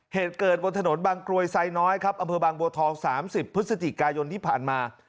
เหตุเกิดบนถนนบางกรวยไซน้อยครับอำเภอบางบัวทอง๓๐พฤศจิกายนที่ผ่านมา